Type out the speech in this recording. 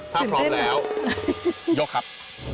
ถ้าพร้อมแล้วยกครับ